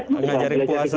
kita ngajarin puasa